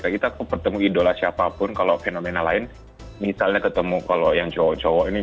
kita ketemu idola siapapun kalau fenomena lain misalnya ketemu kalau yang cowok cowok ini